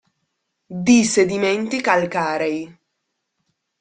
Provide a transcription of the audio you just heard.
Di sedimenti calcarei.